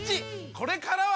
これからは！